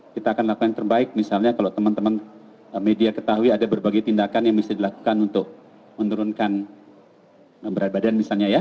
kita akan lakukan yang terbaik misalnya kalau teman teman media ketahui ada berbagai tindakan yang bisa dilakukan untuk menurunkan berat badan misalnya ya